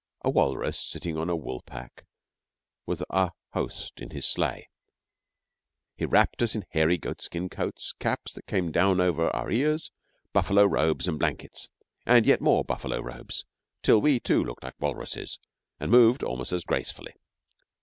A walrus sitting on a woolpack was our host in his sleigh, and he wrapped us in hairy goatskin coats, caps that came down over the ears, buffalo robes and blankets, and yet more buffalo robes till we, too, looked like walruses and moved almost as gracefully.